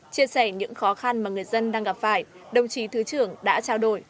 chia sẻ những khó khăn mà người dân đang gặp phải đồng chí thứ trưởng đã trao đổi